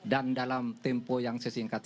dan dalam tempo yang sesingkatnya